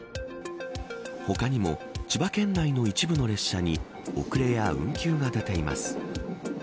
他にも千葉県内の一部の列車に遅れや運休が出ています。